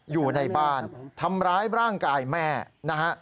อยู่ในบ้านทำร้ายร่างกายแม่นะฮะ